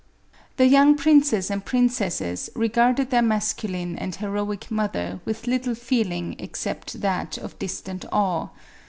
The young princes and princesses regarded their masculine and heroic mother with little feeling except that of distant awe.